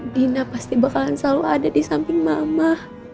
dina pasti bakalan selalu ada di samping mama